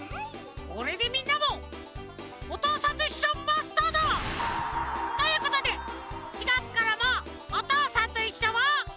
これでみんなも「おとうさんといっしょ」マスターだ！ということで４がつからも「おとうさんといっしょ」を。